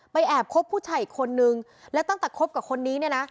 แอบคบผู้ชายอีกคนนึงแล้วตั้งแต่คบกับคนนี้เนี่ยนะ